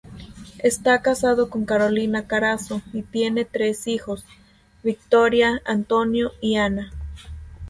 Está casado con Carolina Carazo y tiene tres hijos: Victoria, Antonio y Ana.